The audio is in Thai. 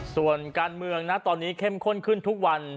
ส่วนการเมืองนะตอนนี้เข้มข้นขึ้นทุกวัน